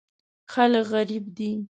خلک غریب دي.